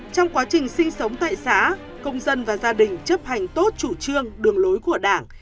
trong quá trình sinh sống tại xã công dân và gia đình chấp hành tốt chủ trương đường lối của đảng